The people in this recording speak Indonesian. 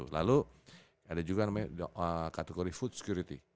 lalu ada juga namanya kategori food security